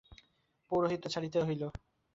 পৌরোহিত্য ছাড়িতে হইল।